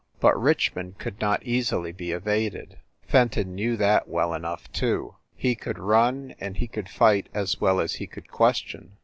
But Richmond could not easily be evaded; Fenton knew that well enough, too. He could run and he could fight as well as he could question.